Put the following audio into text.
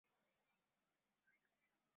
kutonyanyasa utenga wakristo wa mashariki ya kati